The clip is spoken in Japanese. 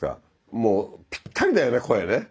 もうぴったりだよね声ね。